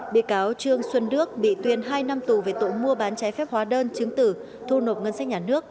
bị cáo trương xuân đức bị tuyên hai năm tù về tội mua bán trái phép hóa đơn chứng tử thu nộp ngân sách nhà nước